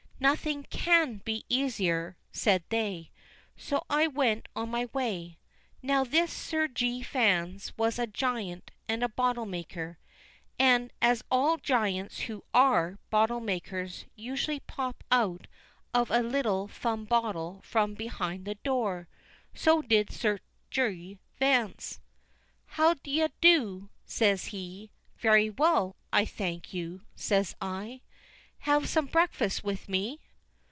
"Nothing can be easier," said they: so I went on my way. Now this Sir G. Vans was a giant, and a bottle maker. And as all giants who are bottle makers usually pop out of a little thumb bottle from behind the door, so did Sir G. Vans. "How d'ye do?" says he. "Very well, I thank you," says I. "Have some breakfast with me?"